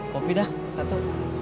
kopi dah satu